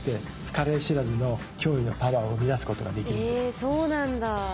えそうなんだ。